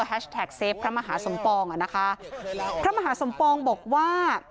แฮชแท็กเซฟพระมหาสมฟองนะคะพระมหาสมฟองบอกว่า